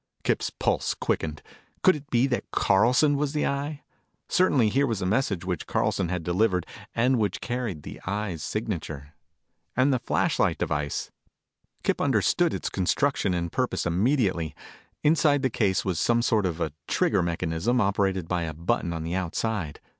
Kip's pulse quickened. Could it be that Carlson was the Eye? Certain here was a message which Carlson had delivered and which carried the Eye's signature. And the flashlight device Kip understood its construction and purpose immediately. Inside the case was some sort of a trigger mechanism operated by a button on the outside.